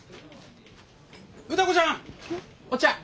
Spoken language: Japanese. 歌子ちゃん！お茶。